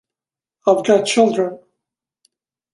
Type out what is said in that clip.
I've got children!